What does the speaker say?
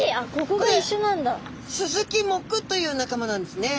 これスズキ目という仲間なんですね。